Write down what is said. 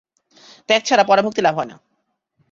ত্যাগ ছাড়া পরাভক্তি লাভ হয় না।